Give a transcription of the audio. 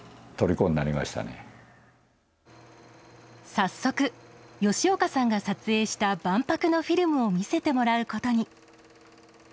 早速、吉岡さんが撮影した万博のフィルムを見せてもらうことに。